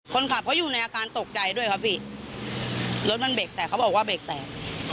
คนขับเขาอยู่ในอาการตกใจด้วยครับพี่รถมันเบรกแตกเขาบอกว่าเบรกแตก